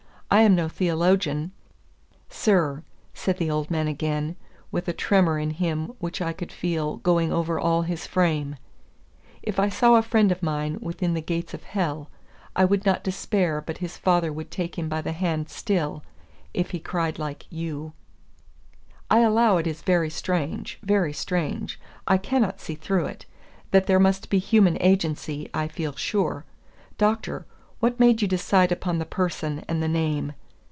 I am no theologian " "Sir," said the old man again, with a tremor in him which I could feel going over all his frame, "if I saw a friend of mine within the gates of hell, I would not despair but his Father would take him by the hand still, if he cried like you." "I allow it is very strange, very strange. I cannot see through it. That there must be human agency, I feel sure. Doctor, what made you decide upon the person and the name?"